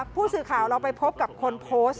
ผู้สื่อข่าวเราไปพบกับคนโพสต์